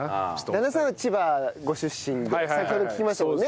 旦那さんは千葉ご出身で先ほど聞きましたもんね。